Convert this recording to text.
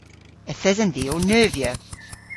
Yth esen vy ow neuvya.